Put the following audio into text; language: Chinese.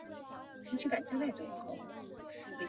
井宿增二是御夫座的一颗恒星。